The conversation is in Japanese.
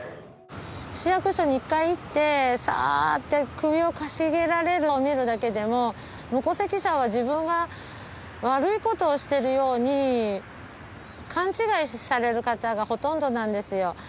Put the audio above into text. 市役所に一回行って「さあ」って首をかしげられるのを見るだけでも無戸籍者は自分が悪いことをしてるように勘違いされる方がほとんどなんですよ